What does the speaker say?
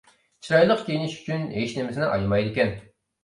چىرايلىق كىيىنىش ئۈچۈن ھېچنېمىسىنى ئايىمايدىكەن.